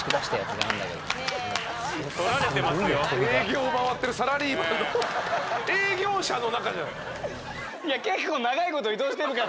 何か営業回ってるサラリーマンの営業車の中じゃん。